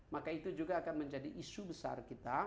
maka itu juga akan menjadi isu besar kita